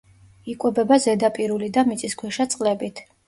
იკვებება ზედაპირული და მიწისქვეშა წყლებით.